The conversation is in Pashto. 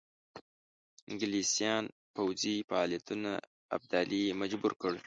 انګلیسیانو پوځي فعالیتونو ابدالي مجبور کړ.